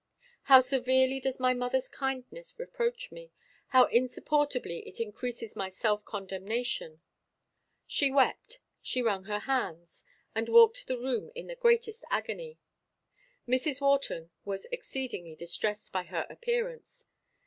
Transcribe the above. "How severely does my mother's kindness reproach me! How insupportably it increases my self condemnation!" She wept; she rung her hands, and walked the room in the greatest agony. Mrs. Wharton was exceedingly distressed by her appearance.